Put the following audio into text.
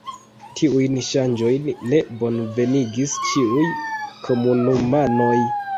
Tiujn ŝanĝojn ne bonvenigis ĉiuj komunumanoj.